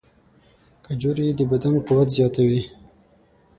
کجورې د بدن قوت زیاتوي.